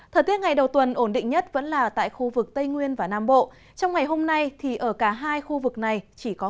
thời tiết ngày đầu tuần ổn định nhất vẫn là tại khu vực tây nguyên và nam bộ